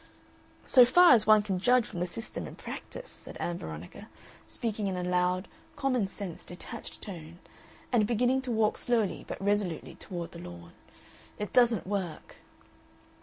"So far as one can judge from the system in practice," said Ann Veronica, speaking in a loud, common sense, detached tone, and beginning to walk slowly but resolutely toward the lawn, "it doesn't work."